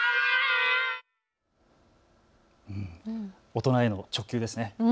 大人への直球ですね。